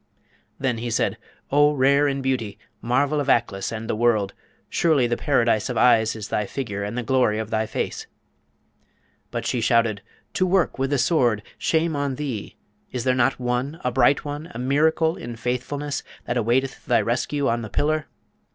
Then he said, 'O rare in beauty! marvel of Aklis and the world! surely the paradise of eyes is thy figure and the glory of thy face!' But she shouted, 'To work with the Sword! Shame on thee! is there not one, a bright one, a miracle in faithfulness, that awaiteth thy rescue on the pillar?'